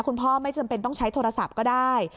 ไม่จำเป็นต้องใช้โทรศัพท์ก็ได้